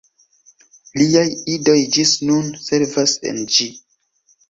Liaj idoj ĝis nun servas en ĝi.